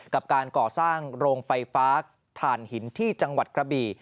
กับการก่อสร้างโรงไฟฟ้าถ่านหินที่จังหวัดกระบี่